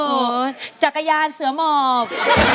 เออจักรยานเสื้อหมอบ